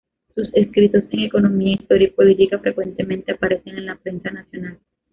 Sus escritos en economía, historia y política frecuentemente aparecen en la prensa nacional.